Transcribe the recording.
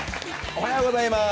おはようございます。